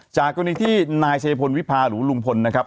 จากตรงที่นายเชพล์วิภาหรือลุงพลนะครับ